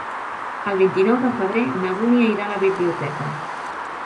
El vint-i-nou de febrer na Dúnia irà a la biblioteca.